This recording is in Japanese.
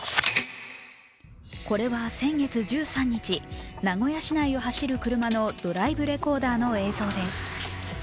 これは先月１３日、名古屋市内を走る車のドライブレコーダーの映像です。